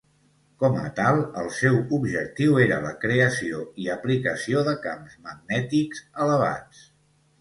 Com a tal, el seu objectiu era la creació i aplicació de camps magnètics elevats.